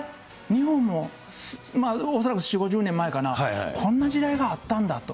日本も恐らく４、５０年前かな、こんな時代があったんだと。